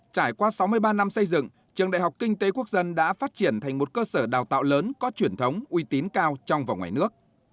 trải qua sáu mươi ba năm xây dựng trường đại học kinh tế quốc dân đã phát triển thành một cơ sở đào tạo lớn có truyền thống uy tín cao trong và ngoài nước